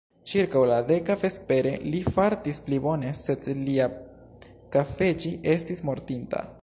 Ĉirkaŭ la deka vespere, li fartis pli bone, sed lia _kafeĝi_ estis mortinta.